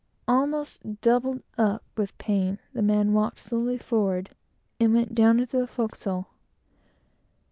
Almost doubled up with pain, the man walked slowly forward, and went down into the forecastle.